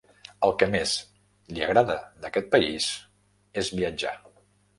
El que més li agrada d'aquest país és viatjar.